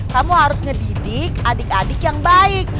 kamu harus ngedidik adik adik yang baik